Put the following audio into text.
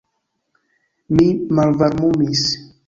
Mi malvarmumis.